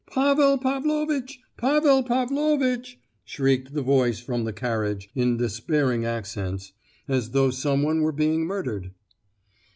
"Pavel Pavlovitch! Pavel Pavlovitch!" shrieked the voice from the carriage, in despairing accents, as though some one were being murdered.